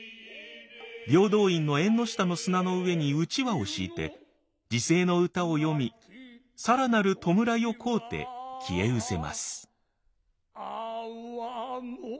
平等院の縁の下の砂の上に団扇を敷いて辞世の歌を詠み更なる弔いを乞うて消えうせます。